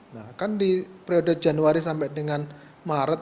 nah kan di periode januari sampai dengan maret